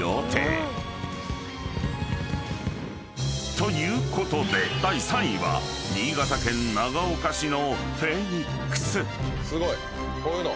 ［ということで第３位は新潟県長岡市のフェニックス］